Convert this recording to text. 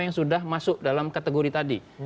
yang sudah masuk dalam kategori tadi